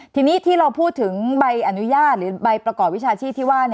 ทีนี้ที่เราพูดถึงใบอนุญาตหรือใบประกอบวิชาชีพที่ว่า